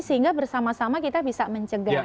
sehingga bersama sama kita bisa mencegah